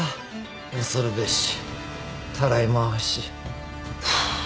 恐るべしたらい回し。